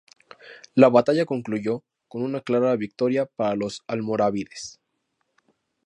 La batalla concluyó con una clara victoria para los almorávides.